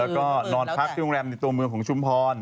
แล้วก็นอนพักที่โรงแรมในตัวเมืองของชุมพร